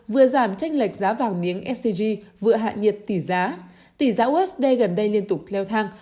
vừa giảm tranh lệch giá vàng miếng sg vừa hạ nhiệt tỷ giá tỷ giá usd gần đây liên tục leo thang